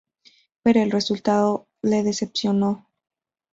Pero el resultado le decepcionó.